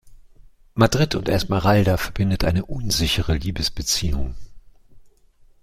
Madrid und Esmeralda verbindet eine unsichere Liebesbeziehung.